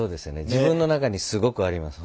自分の中にすごくあります